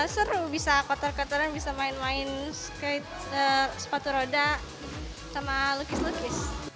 seru bisa kotor kotoran bisa main main sepatu roda sama lukis lukis